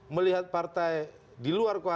melihat partai di luar